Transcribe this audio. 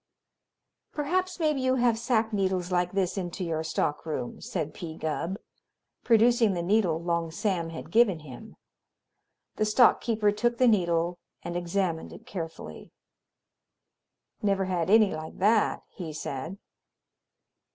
"Perhaps maybe you have sack needles like this into your stock room," said P. Gubb, producing the needle Long Sam had given him. The stock keeper took the needle and examined it carefully. "Never had any like that," he said.